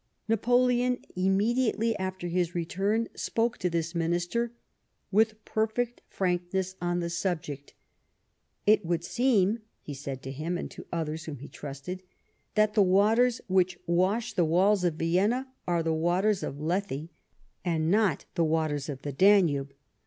Napoleon, immediately after his return, spoke to this Minister with perfect frankness on the subject. " It would seem," he said to him and to others whom he trusted, " that the waters which wash the walls of Vienna are the waters of Lethe and not the waters of the Danube.